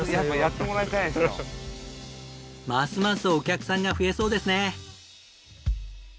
ますますお客さんが増えそうですね！